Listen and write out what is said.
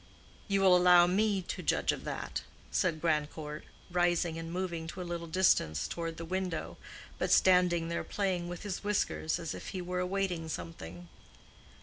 "You will allow me to judge of that," said Grandcourt, rising and moving to a little distance toward the window, but standing there playing with his whiskers as if he were awaiting something.